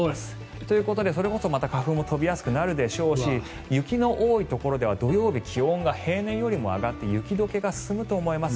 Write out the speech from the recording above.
ということでそれこそまた花粉も飛びやすくなるでしょうし雪の多いところでは土曜日気温が平年より上がって雪解けが進むと思います。